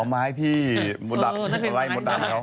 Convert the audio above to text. อ๋อไม้ที่มุนลักษณ์เร่งหมดต่าง